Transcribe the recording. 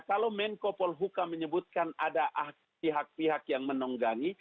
kalau menko polhuka menyebutkan ada pihak pihak yang menunggangi